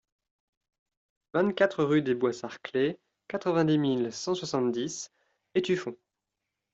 vingt-quatre rue des Bois Sarclés, quatre-vingt-dix mille cent soixante-dix Étueffont